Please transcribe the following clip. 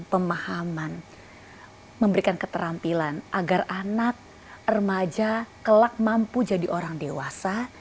pemahaman memberikan keterampilan agar anak remaja kelak mampu jadi orang dewasa